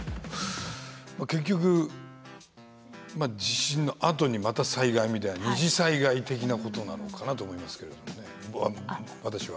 結局地震のあとにまた災害みたいに二次災害的なことなのかなと思いますけれどもね私は。